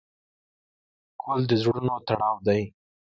ګل د زړونو تړاو دی.